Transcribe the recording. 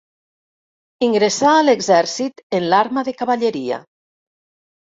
Ingressà a l'exèrcit en l'arma de Cavalleria.